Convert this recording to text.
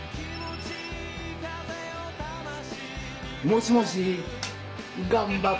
もしもし！